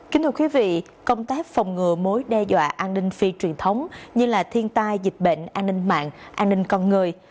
kính thưa quý vị công tác phòng ngừa mối đe dọa an ninh phi truyền thống như thiên tai dịch bệnh an ninh mạng an ninh con người